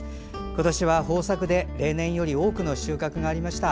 今年は豊作で例年より多くの収穫がありました。